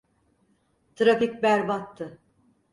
Trafik berbattı.